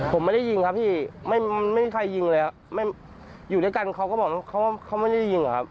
ผมไม่ได้ยิงครับพี่ไม่มีใครยิงแล้วอยู่ด้วยกันเขาก็บอกเขาว่าเขาไม่ได้ยิงครับ